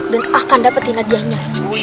dan akan dapetin hadiahnya